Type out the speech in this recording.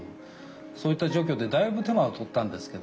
そういった除去でだいぶ手間は取ったんですけどね